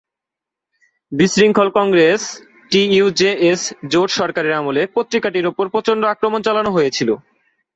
বিশৃঙ্খল কংগ্রেস-টিইউজেএস জোট সরকারের আমলে পত্রিকাটির উপর প্রচণ্ড আক্রমণ চালানো হয়েছিল।